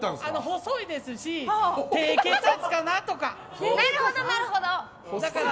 細いですし、低血圧かなとか。